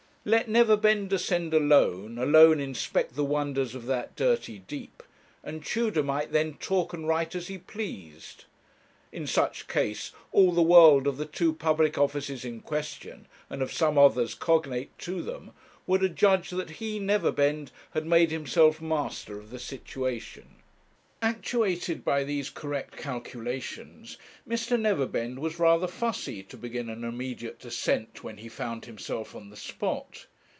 Let Neverbend descend alone, alone inspect the wonders of that dirty deep, and Tudor might then talk and write as he pleased. In such case all the world of the two public offices in Question, and of some others cognate to them, would adjudge that he, Neverbend, had made himself master of the situation. Actuated by these correct calculations, Mr. Neverbend was rather fussy to begin an immediate descent when he found himself on the spot.